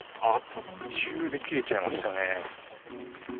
途中で切れちゃいましたね。